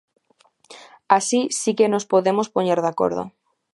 Así si que nos podemos poñer de acordo.